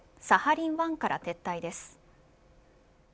サハリン１から撤退です。